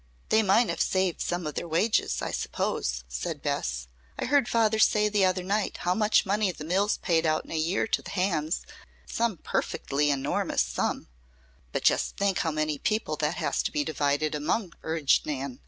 "They might have saved some of their wages, I suppose," said Bess. "I heard father say the other night how much money the mills paid out in a year to the hands, some perfectly en_or_mous sum." "But just think how many people that has to be divided among," urged Nan.